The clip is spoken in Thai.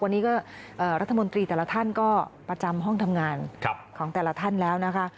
วันนี้ก็รัฐมนตรีแต่ละท่านก็ประจำห้องทำงานของแต่ละท่านแล้วนะคะ